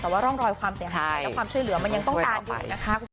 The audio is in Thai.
แต่ว่าร่องรอยความเสียหายและความช่วยเหลือมันยังต้องการอยู่นะคะคุณผู้ชม